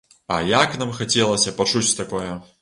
А як нам хацелася пачуць такое!